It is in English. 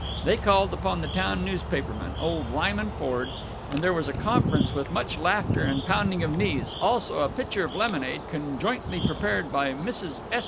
They called upon the town newspaperman, old Lyman Ford, and there was a conference with much laughter and pounding of knees also a pitcher of lemonade conjointly prepared by Mrs. S.